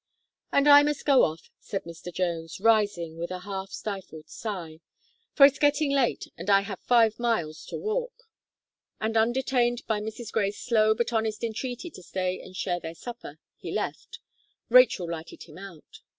"And I must go off," said Mr. Jones, rising with a half stifled sigh, "for it's getting late, and I have five miles to walk." And, undetained by Mrs. Gray's slow but honest entreaty to stay and share their supper, he left Rachel lighted him out.